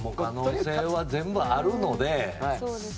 可能性は全部あるので。